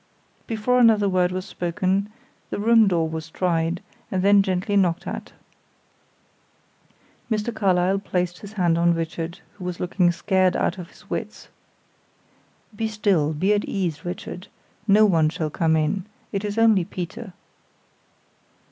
Before another word was spoken the room door was tried, and then gently knocked at. Mr. Carlyle placed his hand on Richard, who was looking scared out of his wits. "Be still; be at ease, Richard; no one shall come in. It is only Peter."